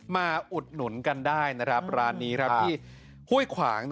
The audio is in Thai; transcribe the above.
มาอุดหนุนกันได้ร้านนี้ครับที่ห้วยขวาง